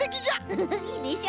フフフいいでしょ。